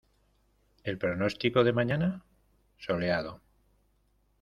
¿ El pronóstico de mañana? Soleado.